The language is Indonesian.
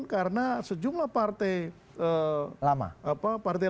karena sejumlah partai